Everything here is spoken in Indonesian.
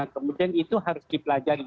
kemudian itu harus dipelajari